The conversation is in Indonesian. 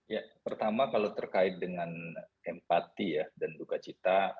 ya pertama kalau terkait dengan empati ya dan dukacita